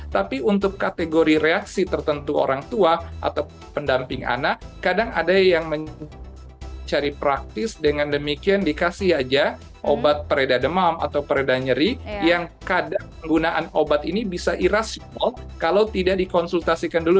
tapi untuk kategori reaksi tertentu orang tua atau pendamping anak kadang ada yang mencari praktis dengan demikian dikasih aja obat pereda demam atau pereda nyeri yang penggunaan obat ini bisa irasi kalau tidak dikonsultasikan dulu